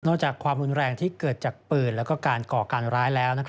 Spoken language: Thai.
จากความรุนแรงที่เกิดจากปืนและการก่อการร้ายแล้ว